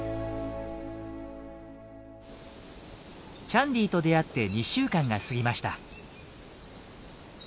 チャンディーと出会って２週間が過ぎました。